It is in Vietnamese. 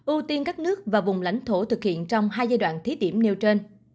ưu tiên các nước và vùng lãnh thổ thực hiện trong hai giai đoạn thí điểm nêu trên